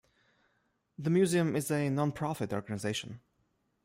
The museum is a non-profit organization.